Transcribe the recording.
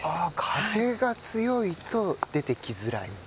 風が強いと出てきづらいと。